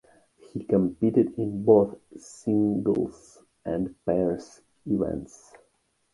He competed in both singles and pairs events.